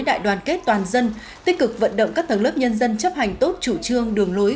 đại đoàn kết toàn dân tích cực vận động các tầng lớp nhân dân chấp hành tốt chủ trương đường lối